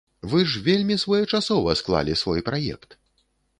Вы ж вельмі своечасова склалі свой праект!